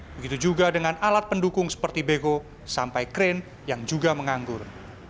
begitu juga dengan alat pendukung seperti bego sampai kren yang juga menganggur